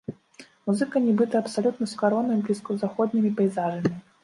Музыка нібыта абсалютна скароны блізкаўсходнімі пейзажамі.